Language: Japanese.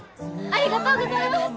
ありがとうございます！